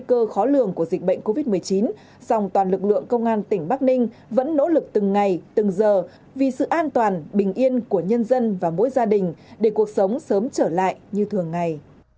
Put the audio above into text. trước nguy cơ khó lường của dịch bệnh covid một mươi chín song toàn lực lượng công an tỉnh bắc ninh vẫn nỗ lực từng ngày từng giờ vì sự an toàn bình yên của nhân dân và mỗi gia đình để cuộc sống sớm trở lại như thường ngày